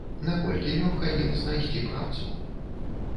Наколькі лёгка ім знайсці працу?